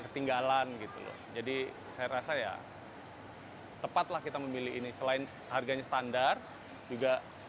ketinggalan gitu loh jadi saya rasa ya tepatlah kita memilih ini selain harganya standar juga